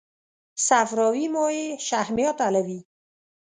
صفراوي مایع شحمیات حلوي.